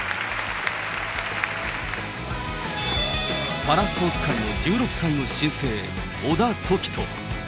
パラスポーツ界の１６歳の新星、小田凱人。